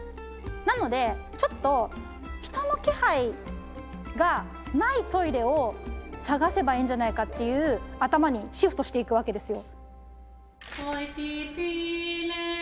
なのでちょっと人の気配がないトイレを探せばいいんじゃないかっていう頭にシフトしていくわけですよ。